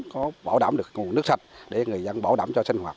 có bảo đảm